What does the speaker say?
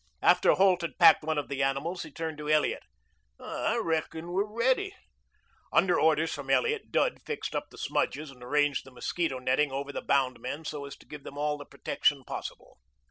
After Holt had packed one of the animals he turned to Elliot. "I reckon we're ready." Under orders from Elliot, Dud fixed up the smudges and arranged the mosquito netting over the bound men so as to give them all the protection possible.